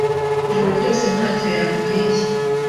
Ijoro ryose ntacyo yambwiye.